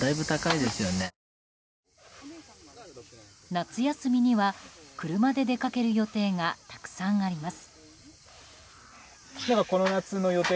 夏休みには車で出かける予定がたくさんあります。